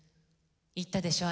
言ったでしょ